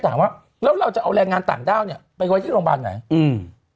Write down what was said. ถามว่าแล้วเราจะเอาแรงงานต่างด้าวเนี้ยไปไว้ที่โรงพยาบาลไหนอืม